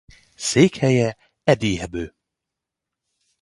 Székhelye Adige-Habl.